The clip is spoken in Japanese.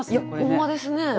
ほんまですね。